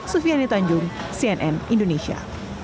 sufiani tanjung cnn indonesia